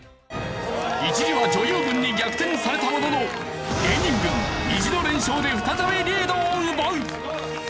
一時は女優軍に逆転されたものの芸人軍意地の連勝で再びリードを奪う！